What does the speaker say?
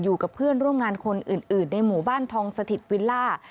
อยู่กับเพื่อนร่วมงานคนอื่นในหมู่บ้านทองสถิตวิลล่า